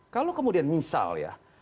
kalau kemudian misal ya